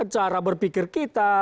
cara berpikir kita